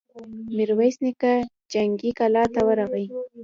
ميرويس نيکه جنګي کلا ته ورغی.